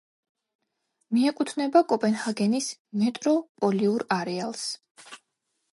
მიეკუთვნება კოპენჰაგენის მეტროპოლიურ არეალს.